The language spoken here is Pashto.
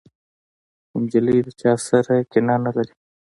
نجلۍ له چا سره کینه نه لري.